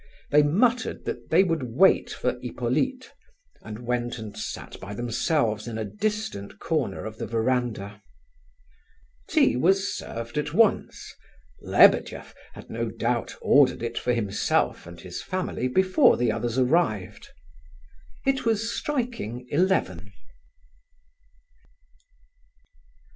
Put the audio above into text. They muttered that they would wait for Hippolyte, and went and sat by themselves in a distant corner of the verandah. Tea was served at once; Lebedeff had no doubt ordered it for himself and his family before the others arrived. It was striking eleven.